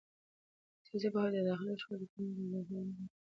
سیاسي پوهاوی د داخلي شخړو د کمولو او بحرانونو مخنیوي وسیله ده